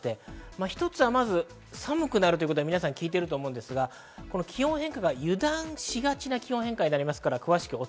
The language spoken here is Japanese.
一つはまず寒くなるということは聞いていると思いますが、気温の変化が油断しがちな気温変化になります。